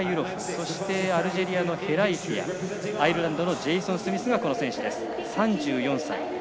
アルジェリアのヘライフィアアイルランドのジェイソン・スミス３４歳。